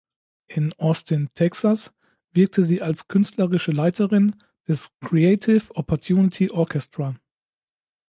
In Austin (Texas) wirkte sie als künstlerische Leiterin des "Creative Opportunity Orchestra".